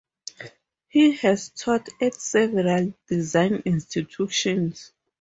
He has taught at several design institutions.